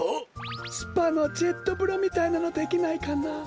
スパのジェットぶろみたいなのできないかな？